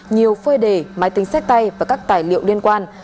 nhiều phơi đề máy tính sách tay và các tài liệu liên quan